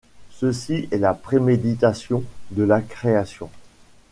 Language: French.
Ceci est la préméditation de la création.